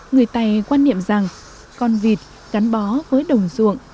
người tày quan niệm rằng con vịt gắn bó với đồng ruộng